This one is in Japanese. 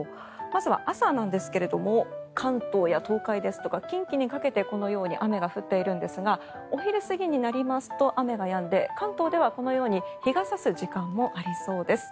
まずは朝なんですが関東や東海ですとか近畿にかけてこのように雨が降っているんですがお昼過ぎになりますと雨がやんで関東ではこのように日が差す時間もありそうです。